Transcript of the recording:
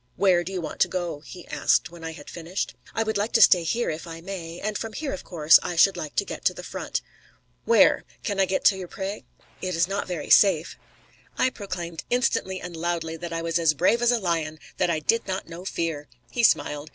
"Where do you want to go?" he asked when I had finished. "I should like to stay here, if I may. And from here, of course, I should like to get to the front." "Where?" "Can I get to Ypres?" "It is not very safe." I proclaimed instantly and loudly that I was as brave as a lion; that I did not know fear. He smiled.